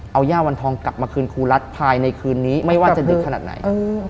เอาย่าวันทองกลับมาคืนครูรัฐภายในคืนนี้ไม่ว่าจะดึกขนาดไหน